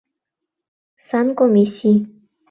— Санкомиссий!